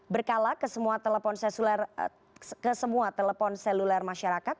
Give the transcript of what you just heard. berkala ke semua telepon seluler masyarakat